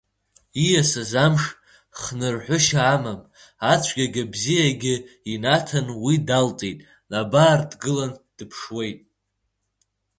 Ииасыз амш хнырҳәышьа амам, ацәгьагь абзиагь инаҭан, уи даалҵит, абар, дгылан дыԥшуеит…